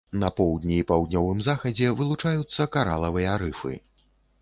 На поўдні і паўднёвым захадзе вылучаюцца каралавыя рыфы.